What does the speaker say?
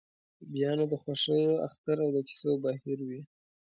بیا نو د خوښیو اختر او د کیسو بهیر وي.